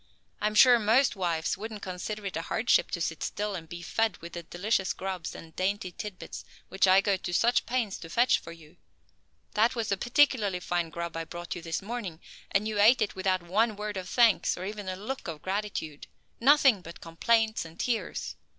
I am sure most wives wouldn't consider it a hardship to sit still and be fed with the delicious grubs and dainty tidbits which I go to such pains to fetch for you. That was a particularly fine grub I brought you this morning, and you ate it without one word of thanks, or even a look of gratitude. Nothing but complaints and tears!